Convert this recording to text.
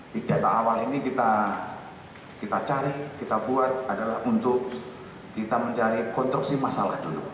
di data awal ini kita cari kita buat adalah untuk kita mencari konstruksi masalah dulu